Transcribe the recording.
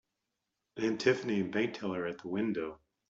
Aunt Tiffany and bank teller at the window.